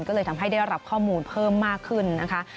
ก็เลยทำให้ได้รับข้อมูลเพิ่มมากขึ้นนะคะ